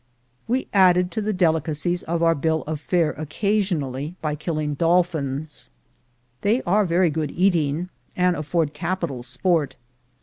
We added to the delicacies of our bill of fare occa sionally by killing dolphins. They are very good eating, and afford capital sport.